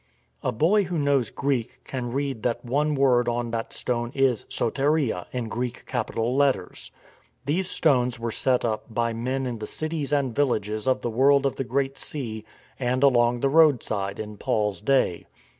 A boy who knows Greek can read that one word on that stone is " soteria " in Greek capital letters. These stones were set up by men in the cities and villages of the world of the Great Sea and along the roadside in Paul's day.